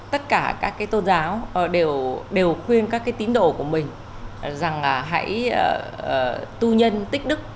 tất cả các tôn giáo đều khuyên các tín đồ của mình rằng hãy tu nhân tích đức